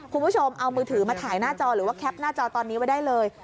คุณผู้ชมเอามือถือมาถ่ายหน้าจอหรือว่าแคปหน้าจอตอนนี้ไว้ได้เลย